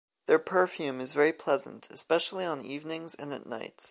Their perfume is very pleasant, especially on evenings and at nights.